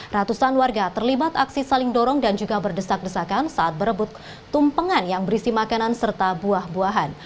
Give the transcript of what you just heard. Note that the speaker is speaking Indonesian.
ratusan warga terlibat aksi saling dorong dan juga berdesak desakan saat berebut tumpengan yang berisi makanan serta buah buahan